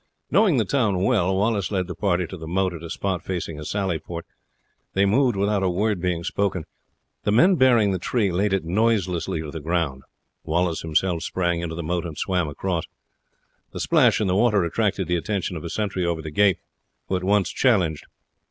Knowing the town well Wallace led the party to the moat at a spot facing a sally port. They moved without a word being spoken. The men bearing the tree laid it noiselessly to the ground. Wallace himself sprang into the moat and swam across. The splash in the water attracted the attention of a sentry over the gate, who at once challenged.